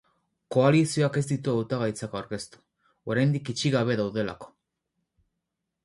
Koalizioak ez ditu hautagaitzak aurkeztu, oraindik itxi gabe daudelako.